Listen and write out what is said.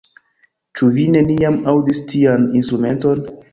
Ĉu vi neniam aŭdis tian instrumenton?